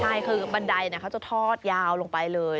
ใช่คือบันไดเขาจะทอดยาวลงไปเลย